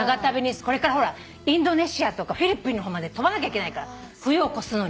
これからほらインドネシアとかフィリピンの方まで飛ばなきゃいけないから冬を越すのに。